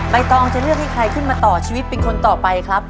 ตองจะเลือกให้ใครขึ้นมาต่อชีวิตเป็นคนต่อไปครับ